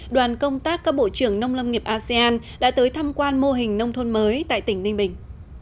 đoàn công tác các bộ trưởng nông lâm nghiệp asean đã tới tham quan mô hình nông thôn mới tại tỉnh ninh bình